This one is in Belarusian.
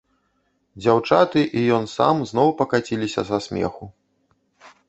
Дзяўчаты і ён сам зноў пакаціліся са смеху.